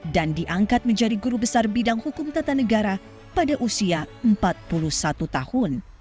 dan diangkat menjadi guru besar bidang hukum tata negara pada usia empat puluh satu tahun